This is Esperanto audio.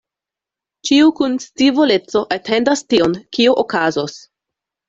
Ĉiu kun scivoleco atendas tion, kio okazos.